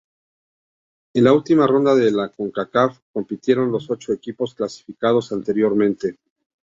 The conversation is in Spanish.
En la última ronda de la Concacaf compitieron los ocho equipos clasificados anteriormente.